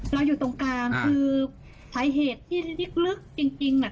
เราอยู่ตรงกลางคือสาเหตุที่ลึกลึกจริงจริงน่ะ